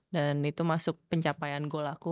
dan itu masuk pencapaian goal aku